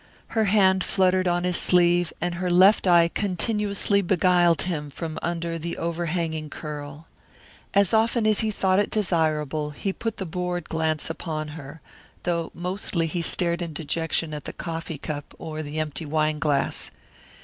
Her hand fluttered on his sleeve and her left eye continuously beguiled him from under the overhanging curl. As often as he thought it desirable he put the bored glance upon her, though mostly he stared in dejection at the coffee cup or the empty wine glass.